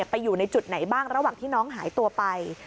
ไปอยู่ในจุดไหนบ้างระหว่างที่น้องหายตัวไป